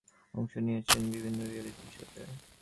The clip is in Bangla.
অংশ নিয়েছেন বিভিন্ন রিয়েলিটি শোতে।